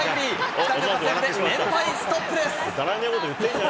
２人の活躍で連敗ストップです。